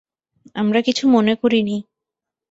আমরা কিছু মনে করিনি।